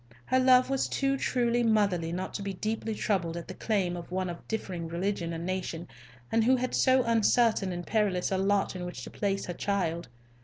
Her love was too truly motherly not to be deeply troubled at the claim of one of differing religion and nation, and who had so uncertain and perilous a lot in which to place her child.